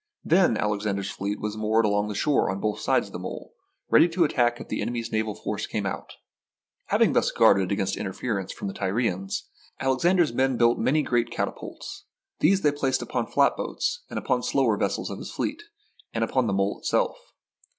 Then Alexander's fleet was moored along the shore on both sides of his mole, ready to attack if the enemy's naval force came out. SIEGE OF TYRE Having thus guarded against interference by the Tyrians, Alexander's men built many great catapults. These they placed upon flatboats and upon slower vessels of his fleet, and upon the mole itself.